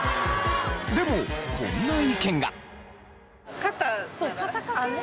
でもこんな意見が。